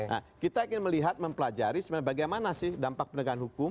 nah kita ingin melihat mempelajari sebenarnya bagaimana sih dampak penegakan hukum